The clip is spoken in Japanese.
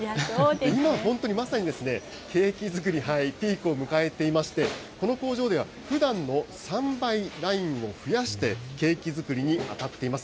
今、本当にまさに、ケーキ作り、ピークを迎えていまして、この工場では、ふだんの３倍、ラインを増やして、ケーキ作りに当たっています。